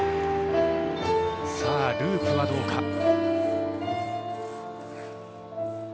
ループはどうか。